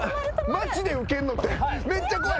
街で受けるのってめっちゃ怖い。